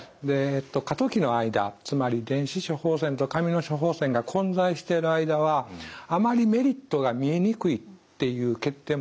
過渡期の間つまり電子処方箋と紙の処方箋が混在している間はあまりメリットが見えにくいという欠点もあるんですね。